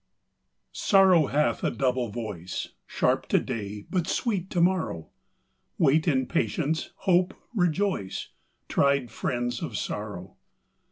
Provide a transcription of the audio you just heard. OORROW hath a double voice, ^ Sharp to day, but sweet to morrow: Wait in patience, hope, rejoice, Tried friends of sorrow.